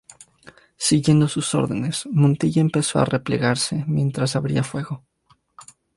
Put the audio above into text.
Siguiendo sus órdenes, Montilla empezó a replegarse mientras abría fuego.